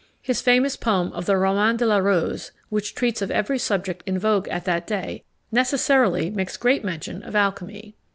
His famous poem of the Roman de la Rose, which treats of every subject in vogue at that day, necessarily makes great mention of alchymy.